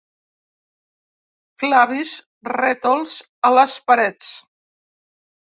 Clavis rètols a les parets.